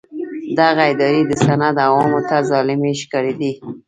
دغه ادارې د سند عوامو ته ظالمې ښکارېدې.